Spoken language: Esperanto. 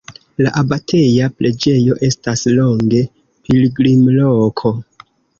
La abateja preĝejo estas longe pilgrimloko.